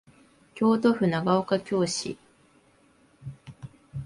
京都府長岡京市